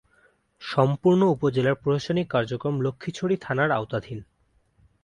সম্পূর্ণ উপজেলার প্রশাসনিক কার্যক্রম লক্ষ্মীছড়ি থানার আওতাধীন।